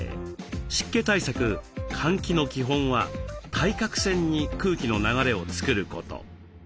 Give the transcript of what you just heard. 湿気対策換気の基本は対角線に空気の流れを作ること。